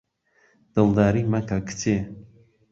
دڵداری مەکە کچێ